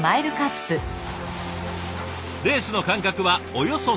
レースの間隔はおよそ３０分。